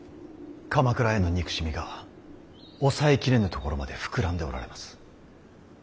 鎌倉への憎しみが抑え切れぬところまで膨らんでおられます。